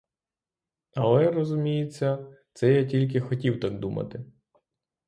Але, розуміється, це я тільки хотів так думати.